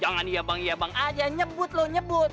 jangan iya bang iya bang aja nyebut lo nyebut